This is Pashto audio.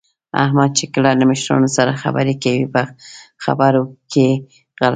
احمد چې کله له مشرانو سره خبرې کوي، په خبرو کې غلطېږي